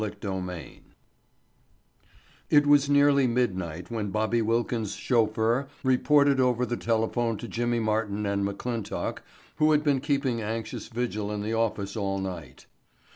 Chapter Five It was nearly midnight when Bobby Wilkins' chauffeur reported over the telephone to Jimmy Martin and McClintock, who had been keeping anxious vigil in the office all night.